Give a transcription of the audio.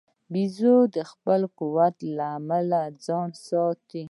بیزو د خپل قوت له امله ځان ساتي.